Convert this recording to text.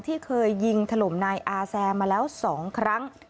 ที่เคยยิงถล่มนายอาแซมมาแล้ว๒ครั้ง